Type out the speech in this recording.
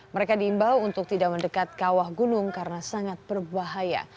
mereka diimbau untuk tidak mendekat kawah gunung karena sangat berbahaya